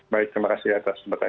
baik terima kasih ya pak